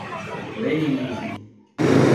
leninismo